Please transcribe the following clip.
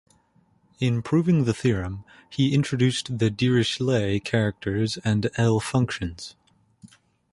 In proving the theorem, he introduced the Dirichlet characters and L-functions.